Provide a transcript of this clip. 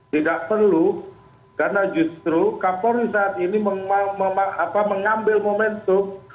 tidak perlu karena justru kapolri saat ini mengambil momentum